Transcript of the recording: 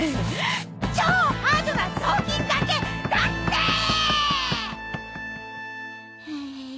超ハードな雑巾がけだってーっ！！